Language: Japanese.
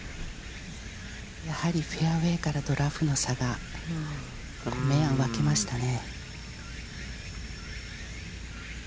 やはりフェアウェイからとラフの差が、明暗分けましたね。